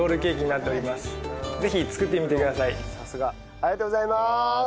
ありがとうございます。